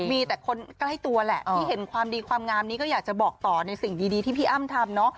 มีแต่คนใกล้ตัวแหละที่เห็นความดีความงามนี้ก็อยากจะบอกต่อในสิ่งดีที่พี่อ้ำทำเนาะ